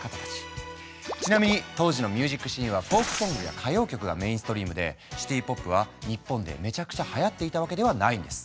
ちなみに当時のミュージックシーンはフォークソングや歌謡曲がメインストリームでシティ・ポップは日本でめちゃくちゃはやっていたわけではないんです。